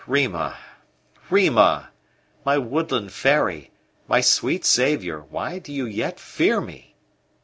Rima! Rima! my woodland fairy, my sweet saviour, why do you yet fear me?